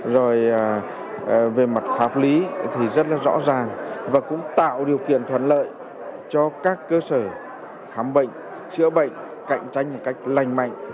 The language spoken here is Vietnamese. rồi về mặt pháp lý thì rất là rõ ràng và cũng tạo điều kiện thuận lợi cho các cơ sở khám bệnh chữa bệnh cạnh tranh một cách lành mạnh